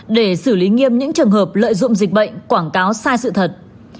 để xử lý nghiêm những trường hợp lợi dụng dịch bệnh quảng cáo sai sự thật